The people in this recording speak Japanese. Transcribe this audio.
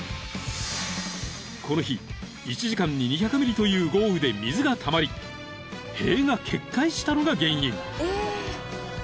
［この日１時間に２００ミリという豪雨で水がたまり塀が決壊したのが原因］